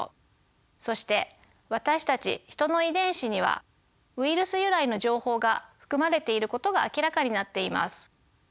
そして私たちヒトの遺伝子にはウイルス由来の情報が含まれていることが明らかになっています。